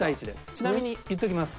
ちなみに言っておきます。